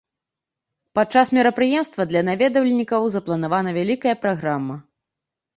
Падчас мерапрыемства для наведвальнікаў запланавана вялікая праграма.